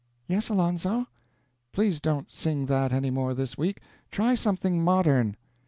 "Yes, Alonzo?" "Please don't sing that any more this week try something modern."